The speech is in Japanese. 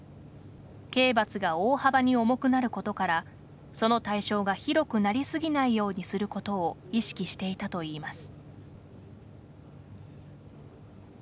刑罰が大幅に重くなることからその対象が広くなりすぎないようにすることを意識していたといいます。